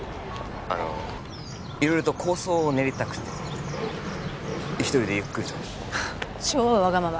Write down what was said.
☎あの色々と構想を練りたくて一人でゆっくりと超わがまま